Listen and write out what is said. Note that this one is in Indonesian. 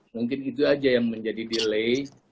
mungkin itu aja yang menjadi delay